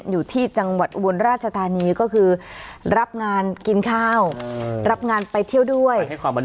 อยู่ที่จังหวัดอุบลราชธานีก็คือรับงานกินข้าวรับงานไปเที่ยวด้วย